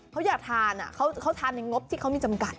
เขาอยากทานเขาทานในงบที่เขามีจำกัด